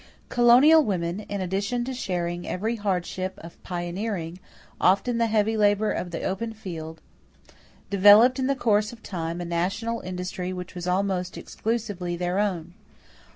= Colonial women, in addition to sharing every hardship of pioneering, often the heavy labor of the open field, developed in the course of time a national industry which was almost exclusively their own.